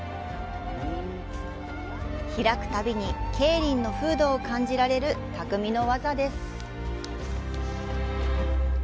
開くたびに桂林の風土を感じられるたくみの技です。